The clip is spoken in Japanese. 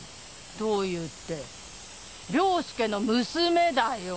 どういうって良介の娘だよ。